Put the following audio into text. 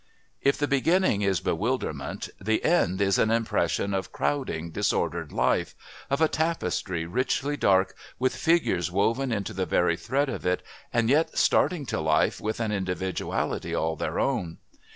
If the beginning is bewilderment the end is an impression of crowding, disordered life, of a tapestry richly dark, with figures woven into the very thread of it and yet starting to life with an individuality all their own.